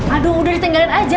aduh udah disinggalin aja